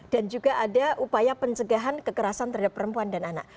dan juga ada upaya pencegahan kekerasan terhadap perempuan dan anak